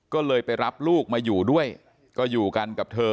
ก็เลยไปรับลูกมาอยู่ด้วยก็อยู่กันกับเธอ